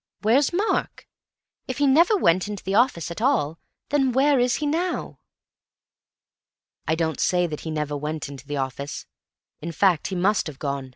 Where's Mark? If he never went into the office at all, then where is he now?" "I don't say that he never went into the office. In fact, he must have gone.